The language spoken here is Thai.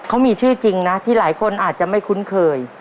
เขามีชื่อจริงนะที่หลายคนอาจจะไม่คุ้นเคย